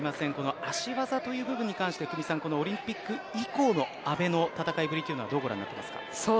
この足技という部分に関してオリンピック以降の阿部の戦いぶりはどうご覧になりますか。